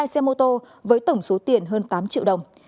một mươi hai xe mô tô với tổng số tiền hơn tám triệu đồng